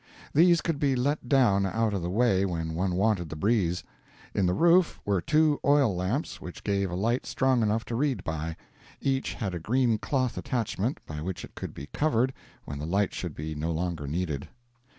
These could be let down out of the way when one wanted the breeze. In the roof were two oil lamps which gave a light strong enough to read by; each had a green cloth attachment by which it could be covered when the light should be no longer needed.